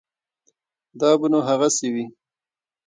دا به نو هغسې وي.